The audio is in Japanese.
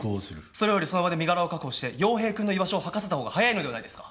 それよりその場で身柄を確保して陽平くんの居場所を吐かせたほうが早いのではないですか？